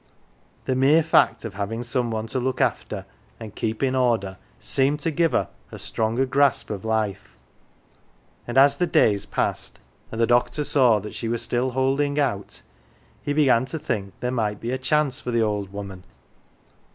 The mere fact of having some one to look after and keep in order seemed to give her a stronger grasp of life, and as the days passed, and the doctor saw that she was still holding out, he began to think that there might yet be a chance for the old woman.